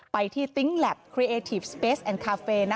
ไปที่ติ๊งแล็บครีเอทีฟสเปสแอนคาเฟ่